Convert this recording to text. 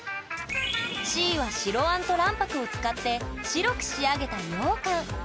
Ｃは白あんと卵白を使って白く仕上げたようかん。